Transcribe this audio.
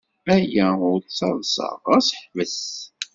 Aya ur d taḍsa, ɣas ḥbes!